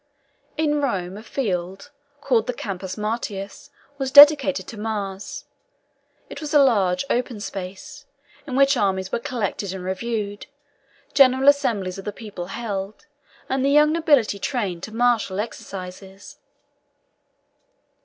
In Rome a field, called the Campus Martius, was dedicated to Mars. It was a large, open space, in which armies were collected and reviewed, general assemblies of the people held, and the young nobility trained to martial exercises.